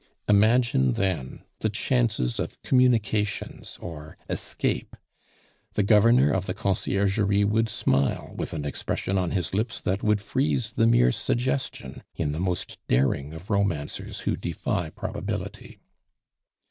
Imagine, then, the chances of communications or escape! The governor of the Conciergerie would smile with an expression on his lips that would freeze the mere suggestion in the most daring of romancers who defy probability.